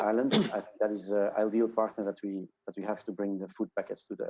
itu adalah pasangan ideal yang kita harus bawa untuk membawa makanan ke orang tua